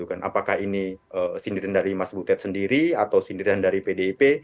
apakah ini sindiran dari mas butet sendiri atau sindiran dari pdip